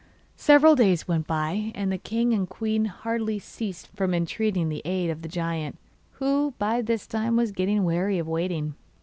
Several days went by, and the king and queen hardly ceased from entreating the aid of the giant, who by this time was getting weary of waiting.